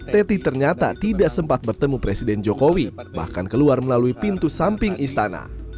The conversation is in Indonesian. teti ternyata tidak sempat bertemu presiden jokowi bahkan keluar melalui pintu samping istana